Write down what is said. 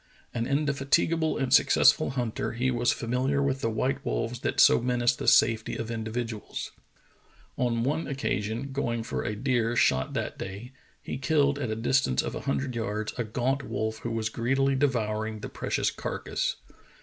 An indefatigable and successful hunter, he was familiar with the white wolves that so menaced the safety of individuals. On one occasion, going for a deer shot that day, he killed at a distance of a hundred yards a gaunt wolf who was greedily devouring the precious carcass.